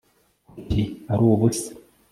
kuki ari ubusa